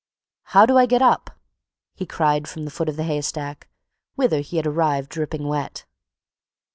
"How do I get up?" he cried from the foot of the haystack, whither he had arrived, dripping wet.